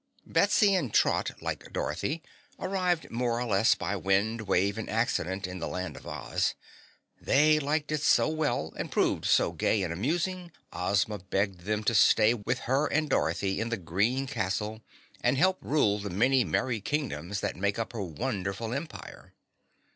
Betsy and Trot, like Dorothy, arrived more or less by wind, wave and accident in the Land of Oz. They liked it so well and proved so gay and amusing, Ozma begged them to stay with her and Dorothy in the green castle and help rule the many merry Kingdoms that make up her wonderful empire.